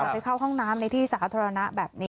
ไปเข้าห้องน้ำในที่สาธารณะแบบนี้